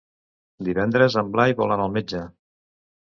Divendres en Blai vol anar al metge.